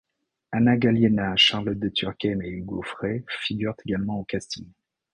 Ana galiena, Charlotte de Turckheim et Hughes Aufray figurent également au casting.